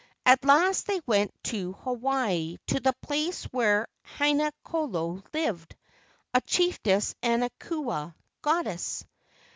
At last they went to Hawaii to the place where Haina kolo lived, a chiefess and a kua (goddess).